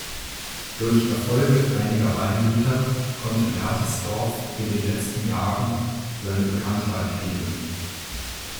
Durch Erfolge einiger Weingüter konnte Mertesdorf in den letzten Jahren seine Bekanntheit heben.